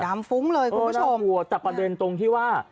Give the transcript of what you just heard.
ฟุ้งเลยคุณผู้ชมโอ้โหแต่ประเด็นตรงที่ว่า